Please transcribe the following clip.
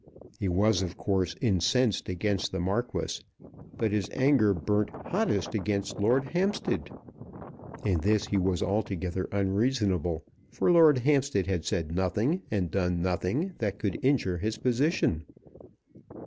He was of course incensed against the Marquis; but his anger burnt hottest against Lord Hampstead. In this he was altogether unreasonable, for Lord Hampstead had said nothing and done nothing that could injure his position.